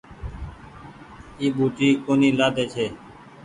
اي ٻوٽي ڪونيٚ لآۮي ڇي